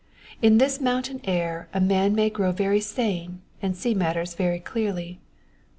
In this mountain air a man may grow very sane and see matters very clearly.